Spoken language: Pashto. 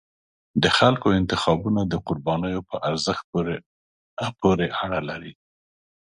د خلکو انتخابونه د قربانیو په ارزښت پورې اړه لري